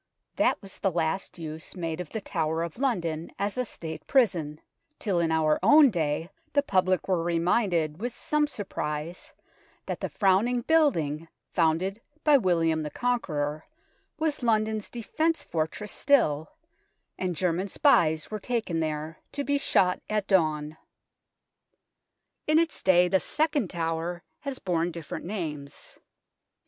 That was the last use made of the Tower of London as a State prison till in our own day the public were reminded, with some surprise, that the frowning building founded by William the Conqueror was London's defensive fortress still, and German spies were taken there to be shot at dawn. In its day the second tower has borne different names.